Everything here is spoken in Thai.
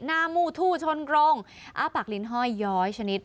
มูทู่ชนกรงอ้าปากลิ้นห้อยย้อยชนิด